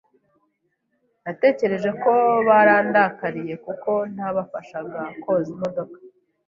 Natekereje ko barandakariye kuko ntabafashaga koza imodoka.